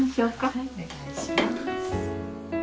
はいお願いします。